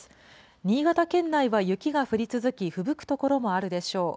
新潟県内は雪が降り続き、ふぶく所もあるでしょう。